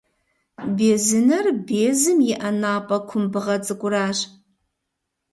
Безынэр безым иӏэ напӏэ кумбыгъэ цӏыкӏуращ.